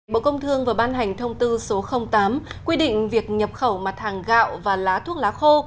bộ công thương vừa ban hành thông tư số tám quy định việc nhập khẩu mặt hàng gạo và lá thuốc lá khô